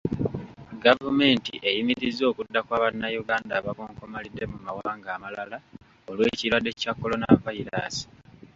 Gavumenti eyimirizza okudda kwa Bannayuganda abakonkomalidde mu mawanga amalala olw'ekirwadde kya Coronavirus.